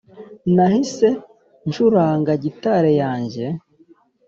nahise ncuranga gitari yanjye